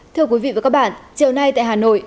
thưa quý vị và các bạn chiều nay tại hà nội